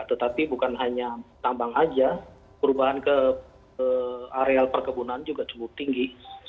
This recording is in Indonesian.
tetapi bukan hanya tambang saja perubahan ke areal perkebunan juga cukup tinggi